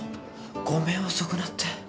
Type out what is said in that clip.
ごめん遅くなって。